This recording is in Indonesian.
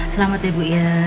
selamat ya ibu